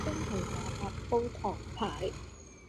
青紅蘿蔔煲唐排